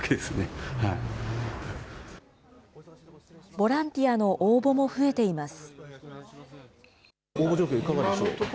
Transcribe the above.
ボランティアの応募も増えています。